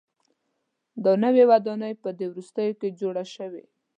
دا نوې ودانۍ په دې وروستیو کې جوړه شوې.